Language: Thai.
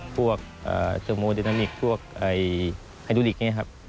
พวกเซอร์โมดินามิกพวกไฮดูลิกนี่ครับ